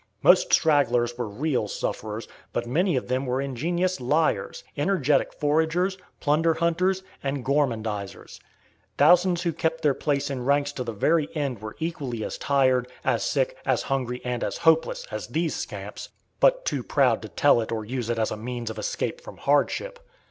Most stragglers were real sufferers, but many of them were ingenious liars, energetic foragers, plunder hunters and gormandizers. Thousands who kept their place in ranks to the very end were equally as tired, as sick, as hungry, and as hopeless, as these scamps, but too proud to tell it or use it as a means of escape from hardship.